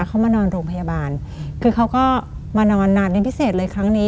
เขามานอนโรงพยาบาลคือเขาก็มานอนนานเป็นพิเศษเลยครั้งนี้